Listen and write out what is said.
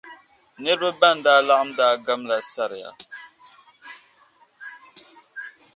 Nirba ban daa laɣim daa gam la sariya.